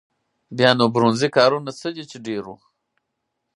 بیا نو برونزي کارونه څه دي چې ډېر وو.